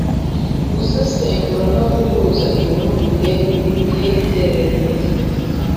Gusesengura no guhuza imyumvire n’ imitekerereze